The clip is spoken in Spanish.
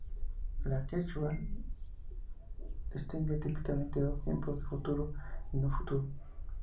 El quechua distingue típicamente dos tiempos: futuro y no futuro.